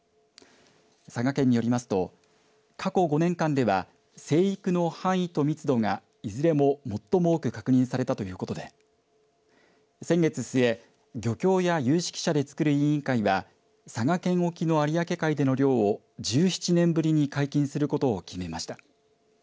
佐賀県によりますと過去５年間では生育の範囲と密度がいずれも最も多く確認されたということで先月末漁協や有識者でつくる委員会は佐賀県沖の有明海での漁を１７年ぶりに解禁することを決めました。